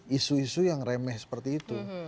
isu isu yang remeh seperti itu